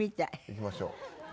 いきましょう。